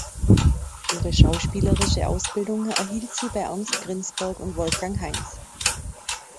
Ihre schauspielerische Ausbildung erhielt sie bei Ernst Ginsberg und Wolfgang Heinz.